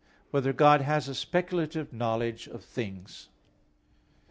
16] Whether God Has a Speculative Knowledge of Things?